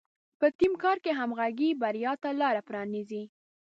په ټیم کار کې همغږي بریا ته لاره پرانیزي.